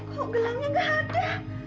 kok gelangnya nggak ada